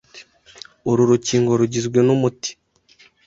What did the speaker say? Uru rukingo rugizwe n’umuti